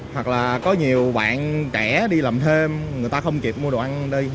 hoặc là có nhiều bạn trẻ đi làm thêm người ta không kịp mua đồ ăn đi